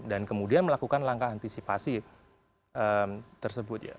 dan kemudian melakukan langkah antisipasi tersebut